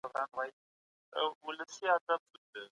حضوري زده کړه د پوښتنو سمدستي ځواب ورکړی دی.